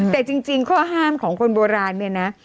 แต่จริงข้อห้ามของคนโบราณเนี่ยนะ